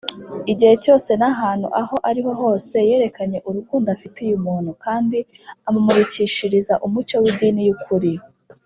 Igihe cyose n’ahantu aho ariho hose yerekanye urukundo afitiye umuntu, kandi amumurikishiriza umucyo w’idini y’ukuri.